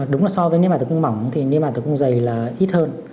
đúng là so với niêm mạc tử cung mỏng thì niêm mạc tử cung dày là ít hơn